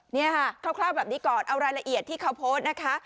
นี่ค่ะคร่าวแบบนี้ก่อนเอารายละเอียดที่เขาโพสต์นะคะ